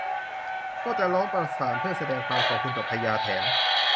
ก็จะร้องประสานเพื่อแสดงความขอบคุณต่อพญาแถน